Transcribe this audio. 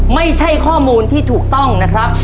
ไม่ใช่ข้อมูลที่ถูกต้องนะครับ